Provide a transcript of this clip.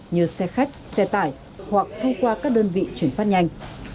như xe khách xe tải hoặc thông qua các đơn vị chuyển phát nhanh